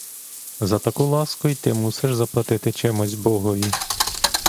За таку ласку й ти мусиш заплатити чимось богові.